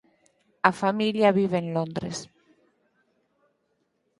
A familia vive en Londres.